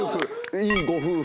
「いいご夫婦」